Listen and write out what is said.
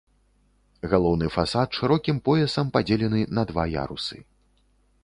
Галоўны фасад шырокім поясам падзелены на два ярусы.